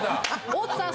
大津さん